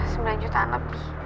sembilan jutaan lebih